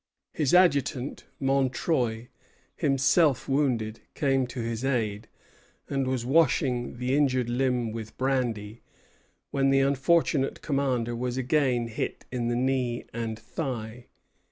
His adjutant, Montreuil, himself wounded, came to his aid, and was washing the injured limb with brandy, when the unfortunate commander was again hit in the knee and thigh.